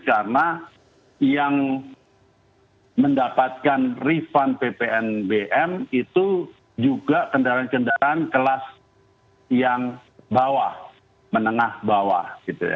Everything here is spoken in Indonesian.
karena yang mendapatkan refund ppnbm itu juga kendaraan kendaraan kelas yang bawah menengah bawah